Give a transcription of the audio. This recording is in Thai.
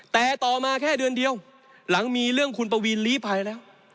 แต่ต่อมาแค่เดือนเดียวหลังมีเรื่องคุณปวีนลีภัยแล้ว